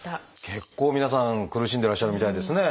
結構皆さん苦しんでらっしゃるみたいですね。